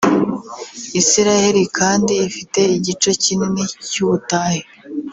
Isiraheli kandi ifite igice kinini cy’ubutayu